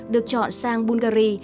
được chọn sang bungary